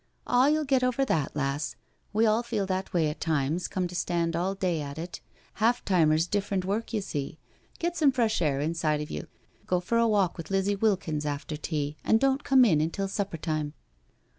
" Oh, you'll get over that, lass. We all feel that way at times, come to stand all day at it. Half timer's different work you see. Get some fresh air inside of you — go for a walk with Liza Wilkins after tea and don't come in until supper time."